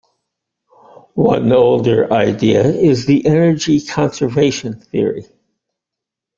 One older idea is the "energy conservation" theory.